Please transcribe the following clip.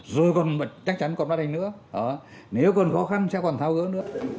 rồi chắc chắn còn bàn hành nữa nếu còn khó khăn sẽ còn thao gỡ nữa